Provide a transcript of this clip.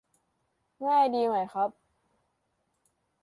ง่ายดีไหมครับ